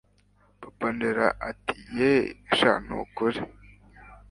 papa angella ati yeeeh sh nukuri